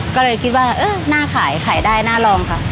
ก็เลยคิดว่าเออน่าขายขายได้น่าลองค่ะ